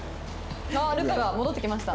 あっ流佳が戻ってきました。